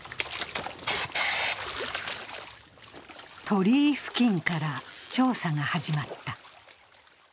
鳥居付近から調査が始まった。